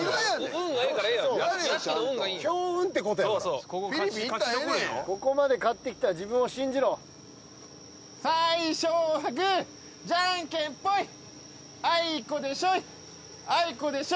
運がええからええやん屋敷の運がいい強運ってことやからここ勝ち残れよここまで勝ってきた自分を信じろ最初はグーじゃんけんぽいあいこでしょいあいこでしょ